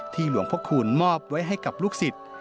หลวงพระคูณมอบไว้ให้กับลูกศิษย์